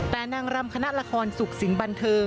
บริเวณหน้าสารพระการอำเภอเมืองจังหวัดลบบุรี